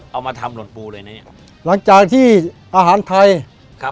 เอามาทำหล่นปูเลยนี้หลังจากที่อาหารไทยครับ